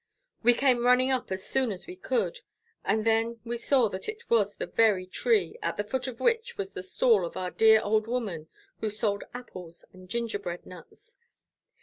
We came running up as soon as we could, and then we saw that it was the very tree, at the foot of which was the stall of our dear old woman, who sold apples and gingerbread nuts.